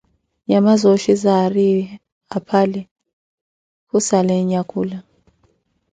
Nyama zooxhi zaariye aphale khusala anyakula.